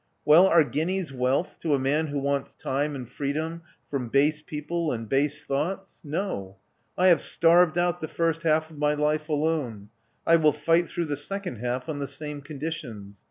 *' Well, are guineas wealth to a man who wants time and freedom from base people and base thoughts? No : I have starved out the first half of my life alone : I will fight through the second half on the same con ditions.